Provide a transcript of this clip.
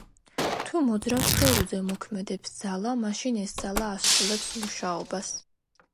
თუ მოძრავ სხეულზე მოქმედებს ძალა, მაშინ ეს ძალა ასრულებს მუშაობას.